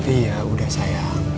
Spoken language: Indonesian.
iya udah sayang